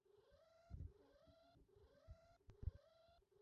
তুমি কি একাই তাদের মোকাবিলা করবে?